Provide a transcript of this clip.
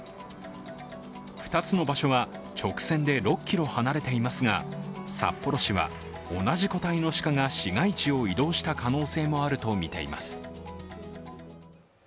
２つの場所は、直線で６ｋｍ離れていますが、札幌市は同じ個体の鹿が市街地を移動した可能性もあるとみています。